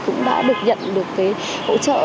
cũng đã được nhận được cái hỗ trợ